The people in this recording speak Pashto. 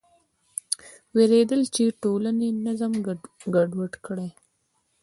وېرېدل چې ټولنې نظم ګډوډ کړي.